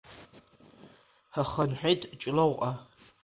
Ҳхынҳәит Ҷлоуҟа.